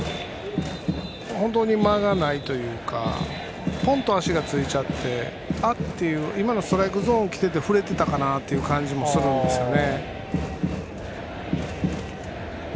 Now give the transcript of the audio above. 本当に間がないというかポンと足がついちゃってあっていう今のストレートゾーン来ていても振れていたかなって気がするんですね。